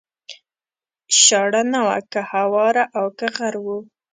شاړه نه وه که هواره او که غر و